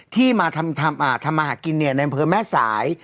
ที่มาทำทำอ่าทำมาหกินเนี่ยในพื้นแม่สาย